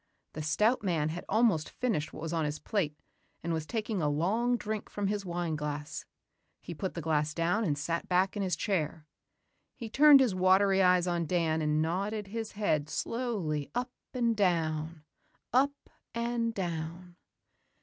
The stout man had almost finished what was on his plate and was taking a long drink from his wine glass. He put the glass down and sat back in his chair. He turned his watery eyes on Dan and nodded his head slowly up and down ... up and down.